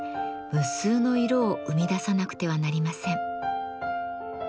無数の色を生み出さなくてはなりません。